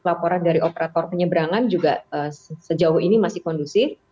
laporan dari operator penyeberangan juga sejauh ini masih kondusif